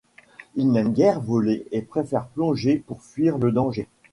Il n'aime guère voler et préfère plonger pour fuir le danger.